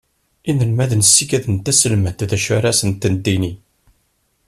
Inelmaden sikiden taselmadt d acu ara sen-d-tini.